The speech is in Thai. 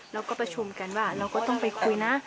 เราก็ประชุมกันว่าเราก็ต้องไปคุยนะ